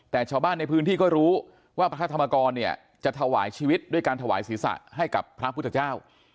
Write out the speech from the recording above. แต่ชาวบ้านในพื้นที่ก็รู้ว่าพระธรรมกรเนี่ยจะถวายชีวิตด้วยการถวายศีรษะให้กับพระพุทธเจ้า